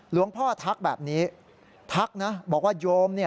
หลวงพ่อทักแบบนี้ทักนะบอกว่าโยม